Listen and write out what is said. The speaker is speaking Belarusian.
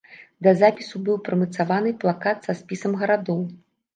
Да запісу быў прымацаваны плакат са спісам гарадоў.